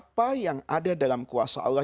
apa yang ada dalam kuasa allah